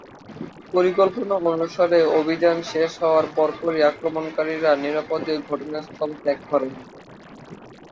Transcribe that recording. পরিকল্পনা অনুসারে অভিযান শেষ হওয়ার পরপরই আক্রমণকারীরা নিরাপদে ঘটনাস্থল ত্যাগ করে।